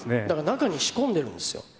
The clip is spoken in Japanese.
だから中に仕込んでるんですよ。